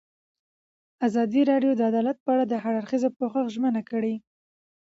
ازادي راډیو د عدالت په اړه د هر اړخیز پوښښ ژمنه کړې.